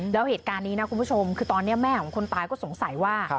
แล้วเหตุการณ์นี้นะคุณผู้ชมคือตอนนี้แม่ของคนตายก็สงสัยว่า